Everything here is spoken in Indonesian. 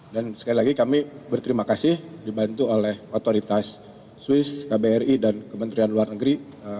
dan sekali lagi kami berterima kasih dibantu oleh otoritas swiss kbri dan kementerian luar negeri